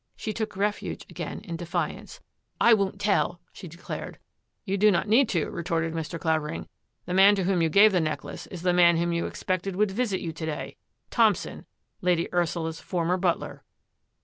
She took refuge again in defiance. " I won't tell !" she declared. " You do not need to," retorted Mr. Clavering. " The man to whom you gave the necklace, is the man whom you expected would visit you to day — Thompson, Lady Ursula's former butler."